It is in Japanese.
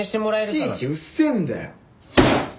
いちいちうっせえんだよ！